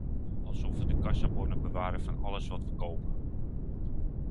Alsof we de kassabonnen bewaren van alles wat we kopen!